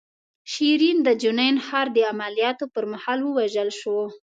شیرین د جنین ښار د عملیاتو پر مهال ووژل شوه.